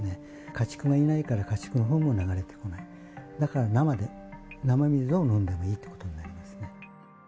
家畜がいないから、家畜のふんも流れてこない、だから生で、生水を飲んでもいいってことになりますね。